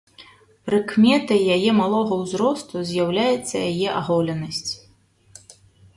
Прыкметай яе малога ўзросту з'яўляецца яе аголенасць.